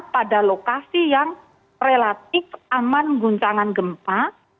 pada lokasi yang relatif aman guncangan gempa